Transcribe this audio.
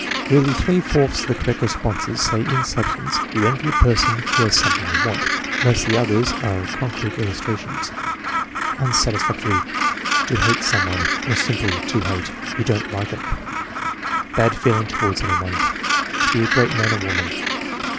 Nearly three fourths of the correct responses say in substance, "You envy a person who has something you want." Most of the others are concrete illustrations. Unsatisfactory. "To hate some one/* or simply "To hate." "You don't like 'em." "Bad feeling toward any one." "To be a great man or woman."